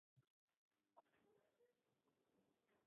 The parties settled the remaining charge out of court.